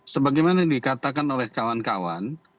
sebagaimana dikatakan oleh kawan kawan